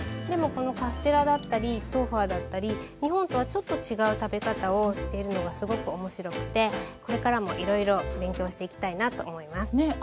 でもこのカステラだったり豆花だったり日本とはちょっと違う食べ方をしているのがすごく面白くてこれからもいろいろ勉強していきたいなと思います。